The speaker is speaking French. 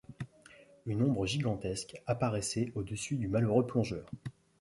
Une ombre gigantesque apparaissait au-dessus du malheureux plongeur.